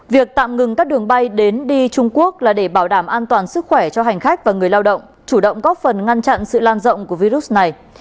việc tạm ngừng các đường bay đến đi trung quốc là để bảo đảm an toàn sức khỏe cho hành khách và người lao động chủ động góp phần ngăn chặn sự lan rộng của virus này